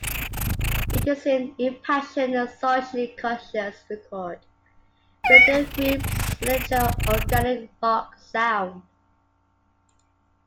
It is an impassioned, socially conscious record with the group's signature organic rock sound.